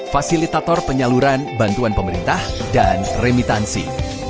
fasilitator penyaluran bantuan pemerintah dan remitansi